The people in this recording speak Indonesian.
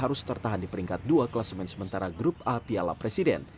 harus tertahan di peringkat dua kelas men sementara grup a piala presiden